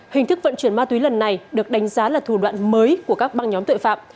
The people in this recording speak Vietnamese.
hình thức vận chuyển ma túy lần này được đánh giá là thủ đoạn mới của các băng nhóm tội phạm